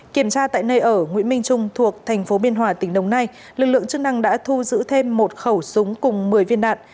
kiểm tra tại nơi ở nguyễn minh trung thuộc thành phố biên hòa tỉnh đồng nai lực lượng chức năng đã thu giữ thêm một khẩu súng cùng một mươi viên đạn